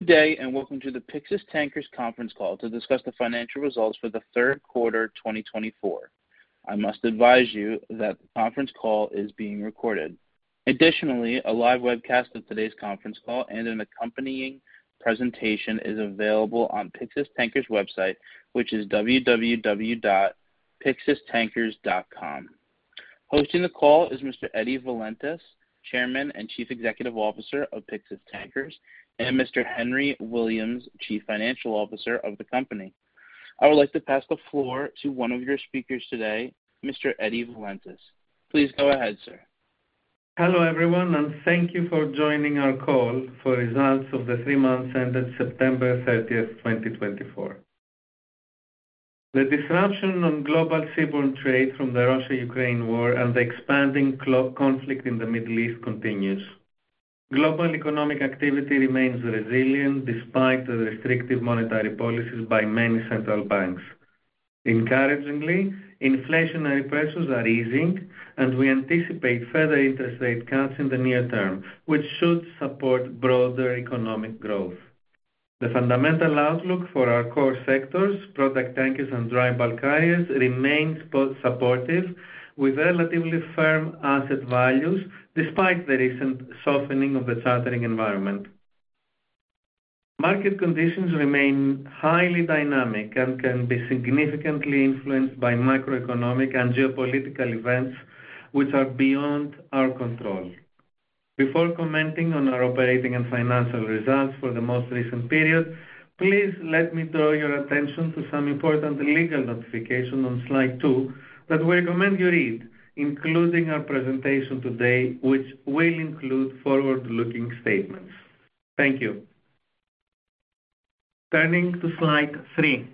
Good day, and welcome to the Pyxis Tankers conference call to discuss the financial results for the third quarter 2024. I must advise you that the conference call is being recorded. Additionally, a live webcast of today's conference call and an accompanying presentation is available on Pyxis Tankers' website, which is www.pyxistankers.com. Hosting the call is Mr. Eddie Valentis, Chairman and Chief Executive Officer of Pyxis Tankers, and Mr. Henry Williams, Chief Financial Officer of the company. I would like to pass the floor to one of your speakers today, Mr. Eddie Valentis. Please go ahead, sir. Hello everyone, and thank you for joining our call for results of the three months ended September 30, 2024. The disruption of global seaborne trade from the Russia-Ukraine war and the expanding conflict in the Middle East continues. Global economic activity remains resilient despite the restrictive monetary policies by many central banks. Encouragingly, inflationary pressures are easing, and we anticipate further interest rate cuts in the near term, which should support broader economic growth. The fundamental outlook for our core sectors, product tankers and dry bulk carriers, remains supportive, with relatively firm asset values despite the recent softening of the chartering environment. Market conditions remain highly dynamic and can be significantly influenced by macroeconomic and geopolitical events which are beyond our control. Before commenting on our operating and financial results for the most recent period, please let me draw your attention to some important legal notification on slide two that we recommend you read, including our presentation today, which will include forward-looking statements. Thank you. Turning to slide three.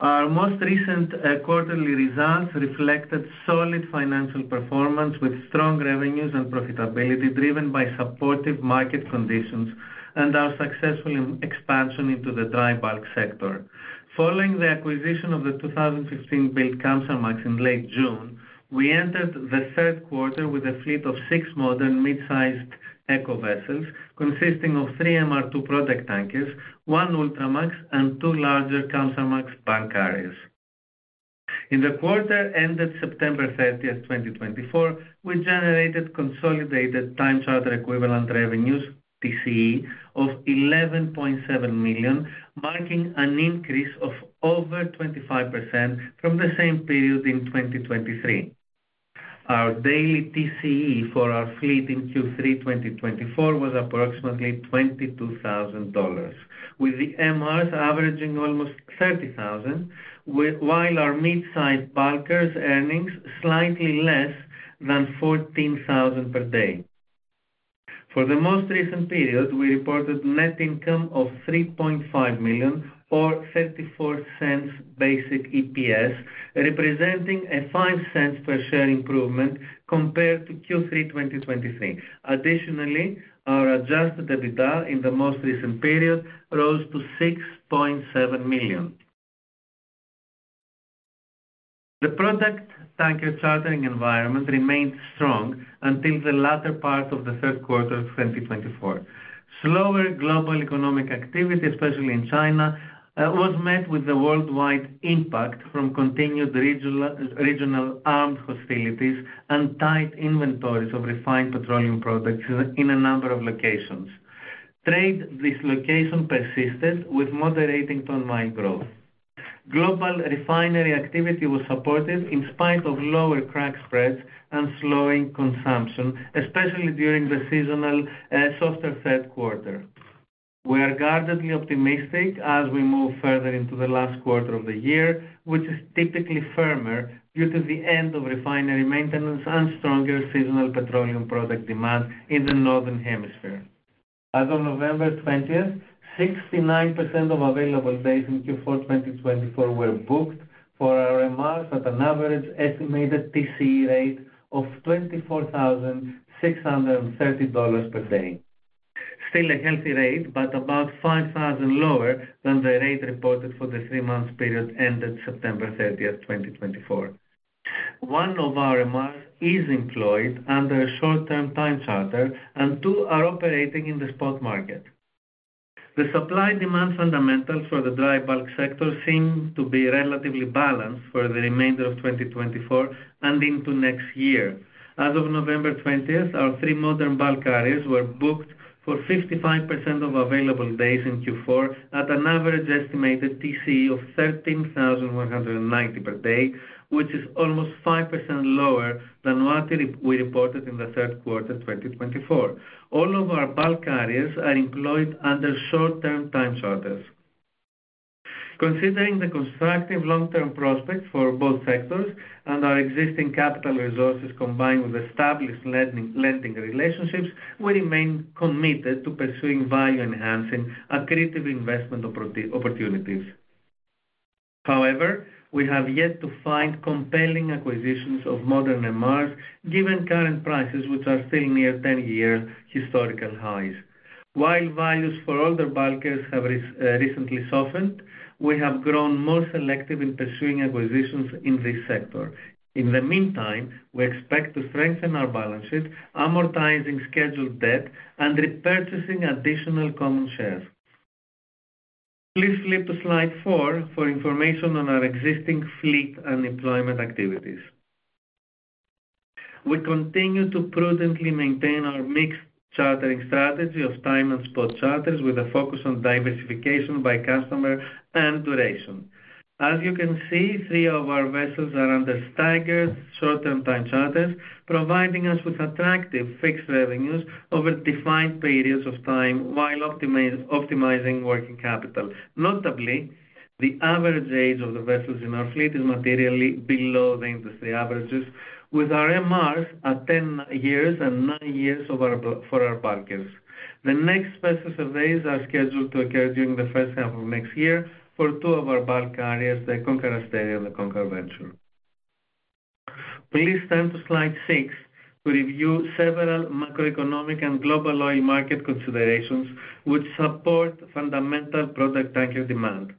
Our most recent quarterly results reflected solid financial performance with strong revenues and profitability driven by supportive market conditions and our successful expansion into the dry bulk sector. Following the acquisition of the 2015-built Kamsarmax in late June, we entered the third quarter with a fleet of six modern mid-sized eco vessels consisting of three MR2 product tankers, one Ultramax, and two larger Kamsarmax bulk carriers. In the quarter ended September 30, 2024, we generated consolidated time charter equivalent revenues, TCE, of $11.7 million, marking an increase of over 25% from the same period in 2023. Our daily TCE for our fleet in Q3 2024 was approximately $22,000, with the MRs averaging almost $30,000, while our mid-sized bulkers' earnings slightly less than $14,000 per day. For the most recent period, we reported net income of $3.5 million, or $0.34 basic EPS, representing a $0.05 per share improvement compared to Q3 2023. Additionally, our Adjusted EBITDA in the most recent period rose to $6.7 million. The product tanker chartering environment remained strong until the latter part of the third quarter of 2024. Slower global economic activity, especially in China, was met with the worldwide impact from continued regional armed hostilities and tight inventories of refined petroleum products in a number of locations. Trade dislocation persisted, with moderating ton-mile growth. Global refinery activity was supported in spite of lower crack spreads and slowing consumption, especially during the seasonal softer third quarter. We are guardedly optimistic as we move further into the last quarter of the year, which is typically firmer due to the end of refinery maintenance and stronger seasonal petroleum product demand in the Northern Hemisphere. As of November 20, 69% of available days in Q4 2024 were booked for our MRs at an average estimated TCE rate of $24,630 per day. Still a healthy rate, but about 5,000 lower than the rate reported for the three months period ended September 30, 2024. One of our MRs is employed under a short-term time charter, and two are operating in the spot market. The supply-demand fundamentals for the dry bulk sector seem to be relatively balanced for the remainder of 2024 and into next year. As of November 20, our three modern bulk carriers were booked for 55% of available days in Q4 at an average estimated TCE of $13,190 per day, which is almost 5% lower than what we reported in the third quarter 2024. All of our bulk carriers are employed under short-term time charters. Considering the constructive long-term prospects for both sectors and our existing capital resources combined with established lending relationships, we remain committed to pursuing value-enhancing, accretive investment opportunities. However, we have yet to find compelling acquisitions of modern MRs, given current prices which are still near 10-year historical highs. While values for older bulkers have recently softened, we have grown more selective in pursuing acquisitions in this sector. In the meantime, we expect to strengthen our balance sheet, amortizing scheduled debt and repurchasing additional common shares. Please flip to slide four for information on our existing fleet and employment activities. We continue to prudently maintain our mixed chartering strategy of time and spot charters, with a focus on diversification by customer and duration. As you can see, three of our vessels are under staggered short-term time charters, providing us with attractive fixed revenues over defined periods of time while optimizing working capital. Notably, the average age of the vessels in our fleet is materially below the industry averages, with our MRs at 10 years and nine years for our bulkers. The next special surveys are scheduled to occur during the first half of next year for two of our bulk carriers, the Konkar Asteria and the Konkar Venture. Please turn to slide six to review several macroeconomic and global oil market considerations which support fundamental product tanker demand.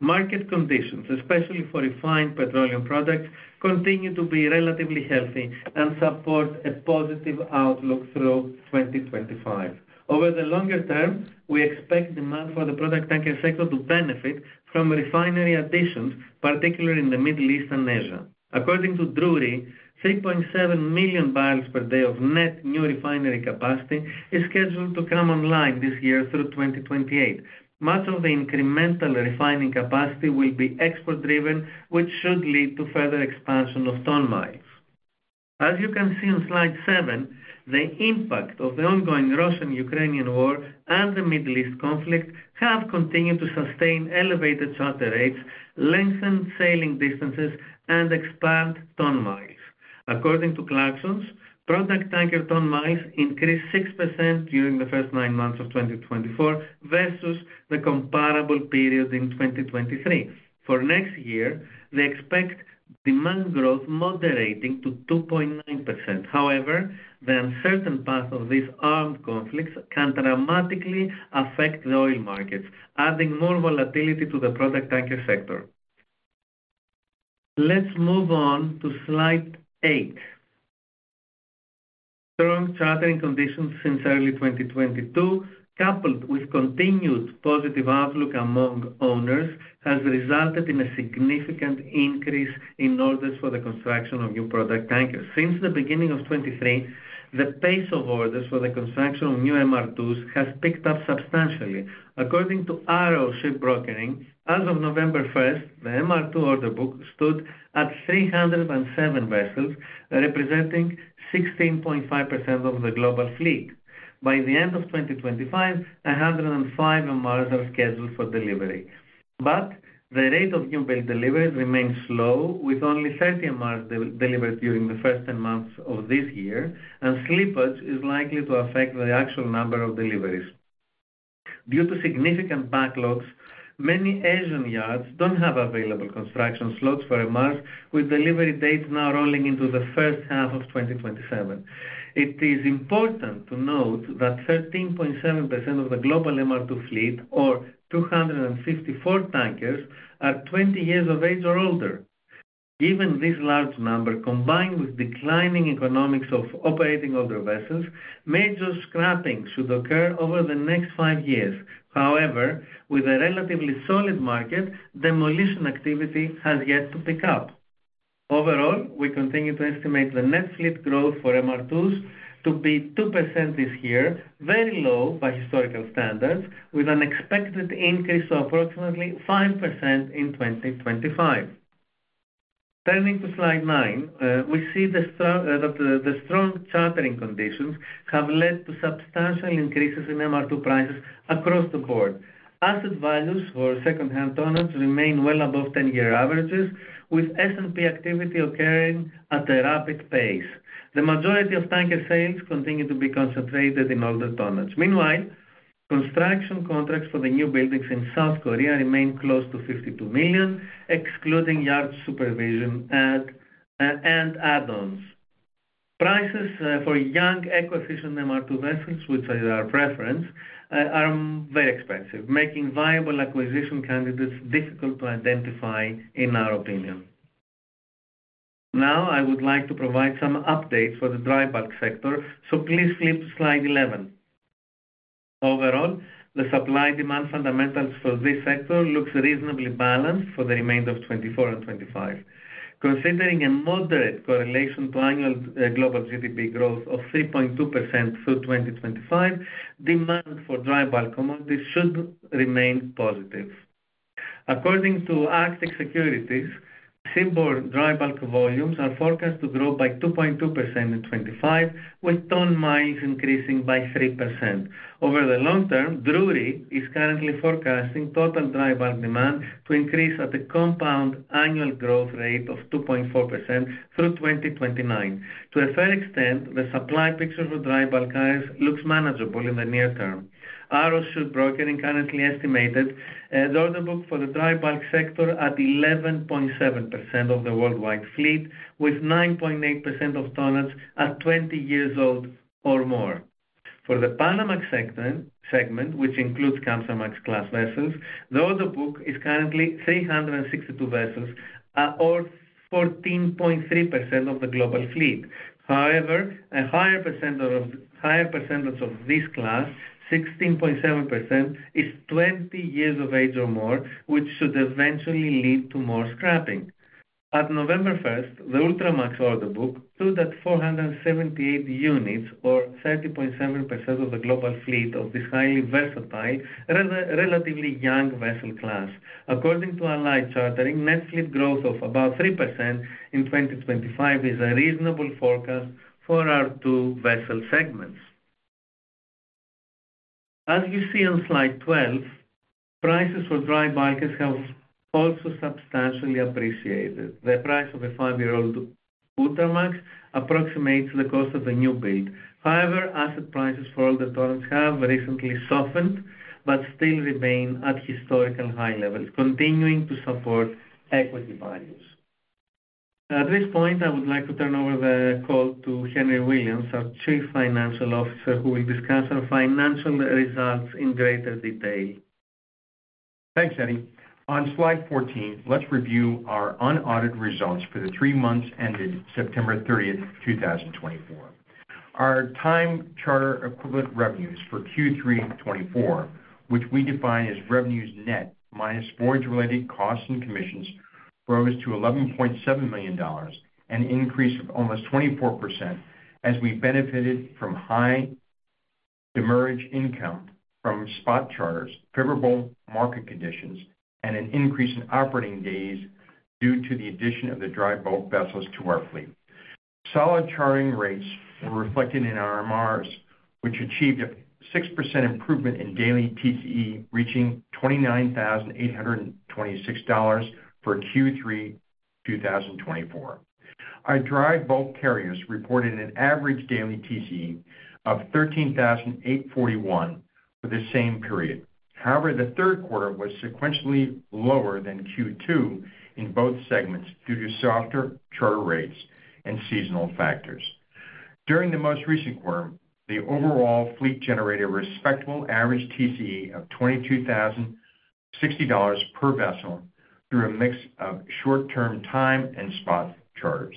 Market conditions, especially for refined petroleum products, continue to be relatively healthy and support a positive outlook through 2025. Over the longer term, we expect demand for the product tanker sector to benefit from refinery additions, particularly in the Middle East and Asia. According to Drewry, 3.7 million barrels per day of net new refinery capacity is scheduled to come online this year through 2028. Much of the incremental refining capacity will be export-driven, which should lead to further expansion of ton miles. As you can see on slide seven, the impact of the ongoing Russian-Ukrainian war and the Middle East conflict have continued to sustain elevated charter rates, lengthened sailing distances, and expanded ton miles. According to Clarksons, product tanker ton miles increased 6% during the first nine months of 2024 versus the comparable period in 2023. For next year, they expect demand growth moderating to 2.9%. However, the uncertain path of these armed conflicts can dramatically affect the oil markets, adding more volatility to the product tanker sector. Let's move on to slide eight. Strong chartering conditions since early 2022, coupled with continued positive outlook among owners, has resulted in a significant increase in orders for the construction of new product tankers. Since the beginning of 2023, the pace of orders for the construction of new MR2s has picked up substantially. According to Arrow Shipbroking, as of November 1, the MR2 order book stood at 307 vessels, representing 16.5% of the global fleet. By the end of 2025, 105 MRs are scheduled for delivery, but the rate of new build deliveries remains slow, with only 30 MRs delivered during the first 10 months of this year, and slippage is likely to affect the actual number of deliveries. Due to significant backlogs, many Asian yards don't have available construction slots for MRs, with delivery dates now rolling into the first half of 2027. It is important to note that 13.7% of the global MR2 fleet, or 254 tankers, are 20 years of age or older. Given this large number, combined with declining economics of operating older vessels, major scrapping should occur over the next five years. However, with a relatively solid market, demolition activity has yet to pick up. Overall, we continue to estimate the net fleet growth for MR2s to be 2% this year, very low by historical standards, with an expected increase of approximately 5% in 2025. Turning to slide nine, we see that the strong chartering conditions have led to substantial increases in MR2 prices across the board. Asset values for second-hand tonnage remain well above 10-year averages, with S&P activity occurring at a rapid pace. The majority of tanker sales continue to be concentrated in older tonnage. Meanwhile, construction contracts for the new buildings in South Korea remain close to $52 million, excluding yard supervision and add-ons. Prices for young eco-efficient MR2 vessels, which are our preference, are very expensive, making viable acquisition candidates difficult to identify, in our opinion. Now, I would like to provide some updates for the dry bulk sector, so please flip to slide 11. Overall, the supply-demand fundamentals for this sector look reasonably balanced for the remainder of 2024 and 2025. Considering a moderate correlation to annual global GDP growth of 3.2% through 2025, demand for dry bulk commodities should remain positive. According to Arctic Securities, seaborne dry bulk volumes are forecast to grow by 2.2% in 2025, with ton miles increasing by 3%. Over the long term, Drewry is currently forecasting total dry bulk demand to increase at a compound annual growth rate of 2.4% through 2029. To a fair extent, the supply picture for dry bulk carriers looks manageable in the near term. Arrow Shipbroking currently estimated the order book for the dry bulk sector at 11.7% of the worldwide fleet, with 9.8% of tonnage at 20 years old or more. For the Panamax segment, which includes Kamsarmax class vessels, the order book is currently 362 vessels, or 14.3% of the global fleet. However, a higher percentage of this class, 16.7%, is 20 years of age or more, which should eventually lead to more scrapping. At November 1, the Ultramax order book stood at 478 units, or 30.7% of the global fleet of this highly versatile, relatively young vessel class. According to Allied Chartering, net fleet growth of about 3% in 2025 is a reasonable forecast for our two vessel segments. As you see on slide 12, prices for dry bulkers have also substantially appreciated. The price of a five-year-old Ultramax approximates the cost of the new build. However, asset prices for older tonnage have recently softened but still remain at historical high levels, continuing to support equity values. At this point, I would like to turn over the call to Henry Williams, our Chief Financial Officer, who will discuss our financial results in greater detail. Thanks, Eddie. On slide 14, let's review our unaudited results for the three months ended September 30, 2024. Our time charter equivalent revenues for Q3 2024, which we define as revenues net minus voyage-related costs and commissions, rose to $11.7 million, an increase of almost 24% as we benefited from high demurrage income from spot charters, favorable market conditions, and an increase in operating days due to the addition of the dry bulk vessels to our fleet. Solid chartering rates were reflected in our MRs, which achieved a 6% improvement in daily TCE, reaching $29,826 for Q3 2024. Our dry bulk carriers reported an average daily TCE of 13,841 for the same period. However, the third quarter was sequentially lower than Q2 in both segments due to softer charter rates and seasonal factors. During the most recent quarter, the overall fleet generated a respectable average TCE of $22,060 per vessel through a mix of short-term time and spot charters.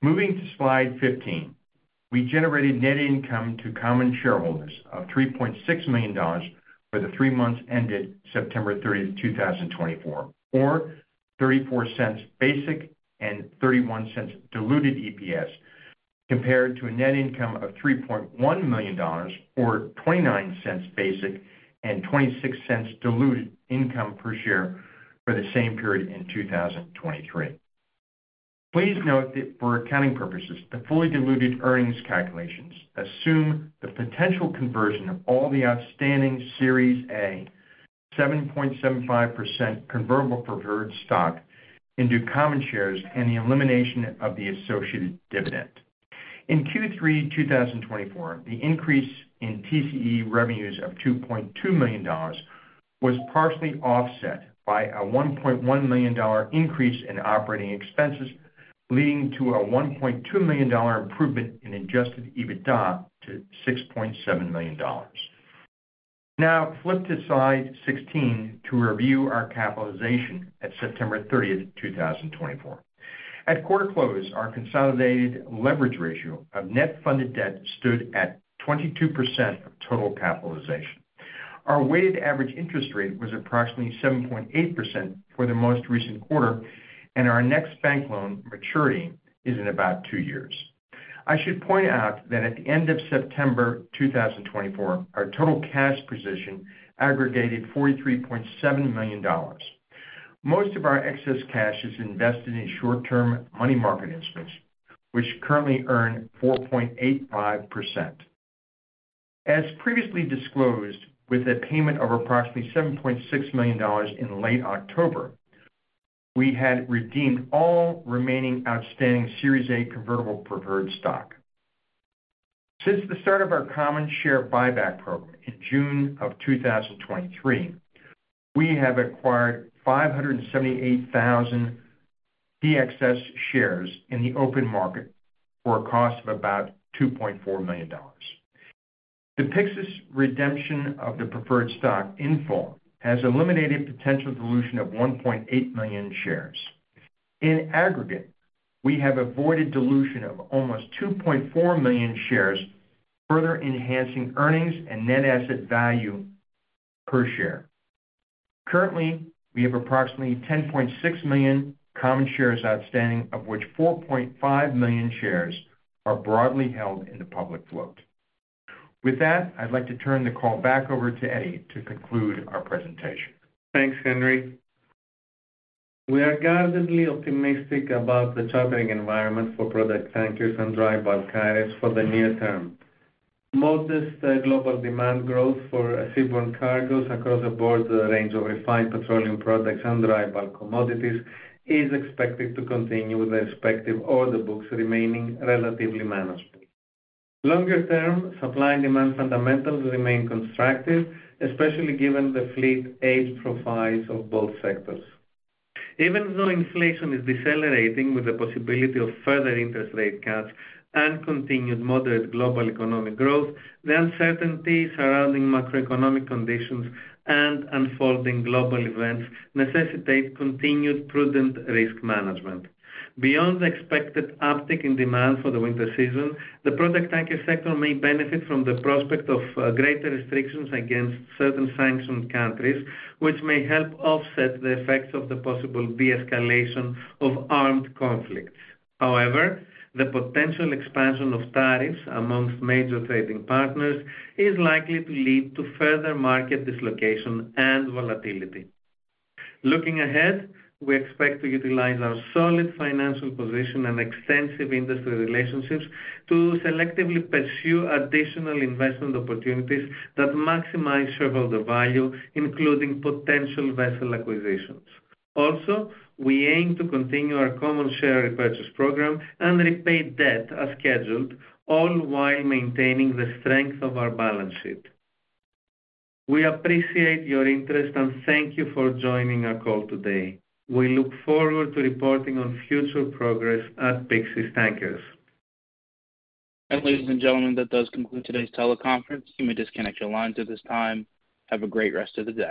Moving to slide 15, we generated net income to common shareholders of $3.6 million for the three months ended September 30, 2024, or $0.34 basic and $0.31 diluted EPS, compared to a net income of $3.1 million, or $0.29 basic and $0.26 diluted income per share for the same period in 2023. Please note that for accounting purposes, the fully diluted earnings calculations assume the potential conversion of all the outstanding Series A 7.75% Convertible Preferred Stock into common shares and the elimination of the associated dividend. In Q3 2024, the increase in TCE revenues of $2.2 million was partially offset by a $1.1 million increase in operating expenses, leading to a $1.2 million improvement in Adjusted EBITDA to $6.7 million. Now, flip to slide 16 to review our capitalization at September 30, 2024. At quarter close, our consolidated leverage ratio of net funded debt stood at 22% of total capitalization. Our weighted average interest rate was approximately 7.8% for the most recent quarter, and our next bank loan maturity is in about two years. I should point out that at the end of September 2024, our total cash position aggregated $43.7 million. Most of our excess cash is invested in short-term money market instruments, which currently earn 4.85%. As previously disclosed, with a payment of approximately $7.6 million in late October, we had redeemed all remaining outstanding Series A convertible preferred stock. Since the start of our common share buyback program in June of 2023, we have acquired 578,000 PXS shares in the open market for a cost of about $2.4 million. The Pyxis redemption of the preferred stock in full has eliminated potential dilution of 1.8 million shares. In aggregate, we have avoided dilution of almost 2.4 million shares, further enhancing earnings and net asset value per share. Currently, we have approximately 10.6 million common shares outstanding, of which 4.5 million shares are broadly held in the public float. With that, I'd like to turn the call back over to Eddie to conclude our presentation. Thanks, Henry. We are guardedly optimistic about the chartering environment for product tankers and dry bulk carriers for the near term. Modest global demand growth for seaborne cargoes across the board, the range of refined petroleum products and dry bulk commodities is expected to continue with the respective order books remaining relatively manageable. Longer-term supply and demand fundamentals remain constructive, especially given the fleet age profiles of both sectors. Even though inflation is decelerating with the possibility of further interest rate cuts and continued moderate global economic growth, the uncertainties surrounding macroeconomic conditions and unfolding global events necessitate continued prudent risk management. Beyond the expected uptick in demand for the winter season, the product tanker sector may benefit from the prospect of greater restrictions against certain sanctioned countries, which may help offset the effects of the possible de-escalation of armed conflicts. However, the potential expansion of tariffs among major trading partners is likely to lead to further market dislocation and volatility. Looking ahead, we expect to utilize our solid financial position and extensive industry relationships to selectively pursue additional investment opportunities that maximize shareholder value, including potential vessel acquisitions. Also, we aim to continue our common share repurchase program and repay debt as scheduled, all while maintaining the strength of our balance sheet. We appreciate your interest and thank you for joining our call today. We look forward to reporting on future progress at Pyxis Tankers. And ladies and gentlemen, that does conclude today's teleconference. You may disconnect your lines at this time. Have a great rest of the day.